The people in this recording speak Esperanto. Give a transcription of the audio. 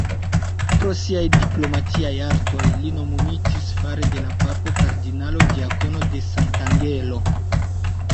Pro siaj diplomatiaj artoj li nomumitis fare de la papo "Kardinalo-diakono de Sant'Angelo".